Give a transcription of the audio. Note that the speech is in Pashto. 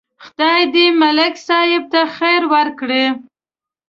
خدای دې ملک صاحب ته خیر ورکړي.